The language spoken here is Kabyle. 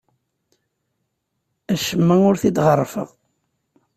Acemma ur t-id-ɣerrfeɣ.